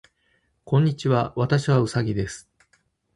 こんにちは。私はうさぎです。